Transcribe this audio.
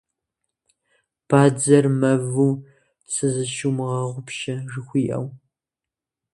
Бадзэр мэву, сызыщумыгъэгъупщэ, жыхуиӏэу.